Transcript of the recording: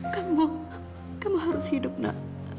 kamu kamu harus hidup nak